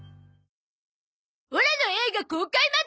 オラの映画公開まで。